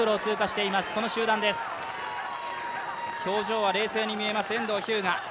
表情は冷静に見えます遠藤日向。